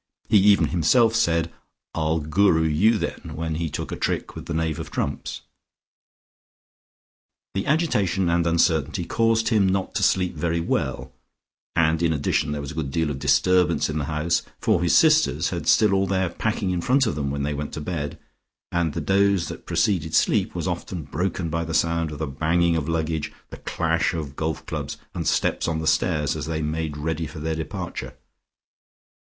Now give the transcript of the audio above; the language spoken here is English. He even himself said, "I'll Guru you, then," when he took a trick with the Knave of Trumps. The agitation and uncertainty caused him not to sleep very well, and in addition there was a good deal of disturbance in the house, for his sisters had still all their packing in front of them when they went to bed and the doze that preceded sleep was often broken by the sound of the banging of luggage, the clash of golf clubs and steps on the stairs as they made ready for their departure.